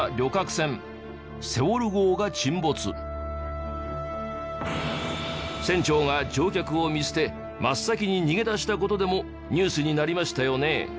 船長が乗客を見捨て真っ先に逃げ出した事でもニュースになりましたよね。